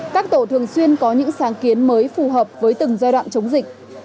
các tổ thường xuyên có những sáng kiến mới phù hợp với từng giai đoạn chống dịch